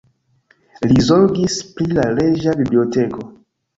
Li zorgis pri la reĝa biblioteko.